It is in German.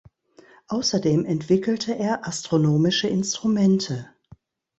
Außerdem entwickelte er astronomische Instrumente.